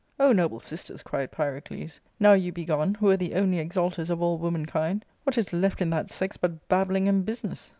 " O noble sisters," cried Pyrocles, " now you be gone, who were the only exalters of all womankind, what is left in that sex but babbling and business